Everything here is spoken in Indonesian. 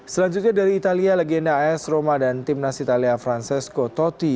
selanjutnya dari italia legenda as roma dan tim nasi italia francesco totti